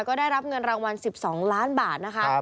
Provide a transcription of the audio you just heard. ก็ได้รับเงินรางวัล๑๒ล้านบาทนะคะ